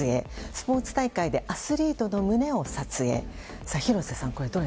スポーツ大会でアスリートの胸を撮影。